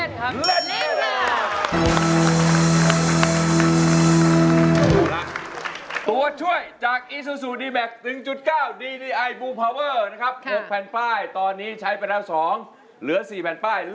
ไม่ใช้ฮะไม่ใช้ฮะไม่ใช้ฮะ